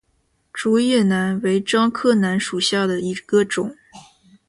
竹叶楠为樟科楠属下的一个种。